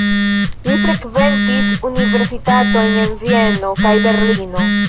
Li frekventis universitatojn en Vieno kaj Berlino.